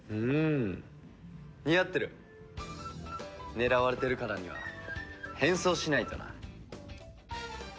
狙われてるからには変装しないとな。